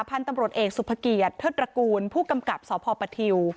พันธุ์ตำรวจเอกสุภเกียรติเทิดตระกูลผู้กำกับสพปทิว